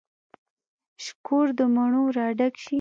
شکور د مڼو را ډک شي